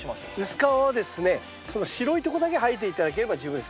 薄皮はですねその白いとこだけ剥いで頂ければ十分です。